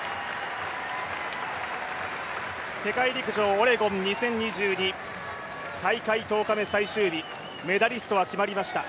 世界陸上オレゴン２０２２、大会１０日目最終日、メダリストは決まりました。